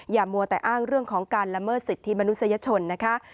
มัวแต่อ้างเรื่องของการละเมิดสิทธิมนุษยชนนะคะ